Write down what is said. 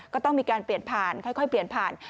ก็ต้องมีการเปลี่ยนผ่านค่อยเปลี่ยนผ่าน